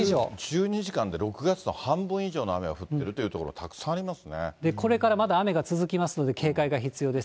１２時間で６月の半分以上の雨が降っているという所がたくさこれからまだ雨が続きますので、警戒が必要です。